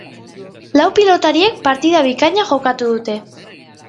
Lau pilotariek partida bikaina jokatu dute.